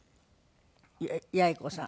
八重子さん。